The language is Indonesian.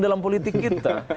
dalam politik kita